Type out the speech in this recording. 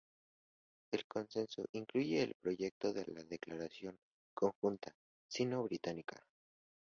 El consenso incluye el proyecto de la Declaración Conjunta Sino-Británica.